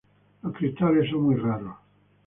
Los cristales son muy raros.